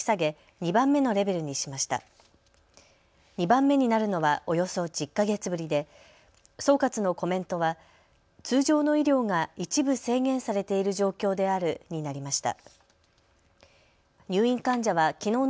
２番目になるのはおよそ１０か月ぶりで総括のコメントは通常の医療が一部制限されている状況であるになりました。